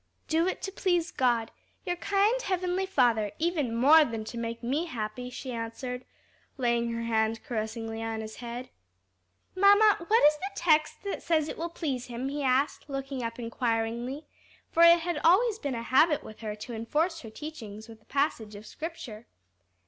"Do it to please God, your kind heavenly Father, even more than to make me happy," she answered, laying her hand caressingly on his head. "Mamma, what is the text that says it will please Him?" he asked, looking up inquiringly, for it had always been a habit with her to enforce her teachings with a passage of Scripture.